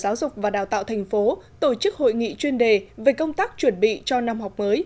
giáo dục và đào tạo tp hcm tổ chức hội nghị chuyên đề về công tác chuẩn bị cho năm học mới hai nghìn một mươi tám hai nghìn một mươi chín